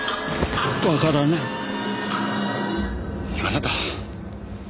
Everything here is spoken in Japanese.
あなた。